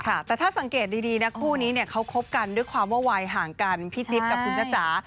แต่ถ้าสังเกตดีนะคู่นี้เนี่ยเขาคบกันด้วยความว่าวัยห่างกันพี่จิ๊บกับคุณจ๊ะจ๋า